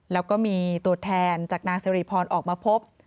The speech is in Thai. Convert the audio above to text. แล้วก็มีตัวแทนจากนางสิริพรออกมาพบ